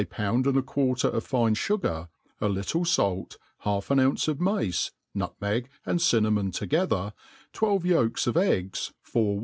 pound and a quarter of fine fugar, a little fait, half an ounce of mace, nutmeg, and cinnamon together,, twelve yolks of eggs, four.